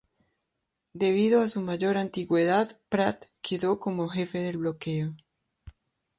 Debido a su mayor antigüedad, Prat quedó como jefe del bloqueo.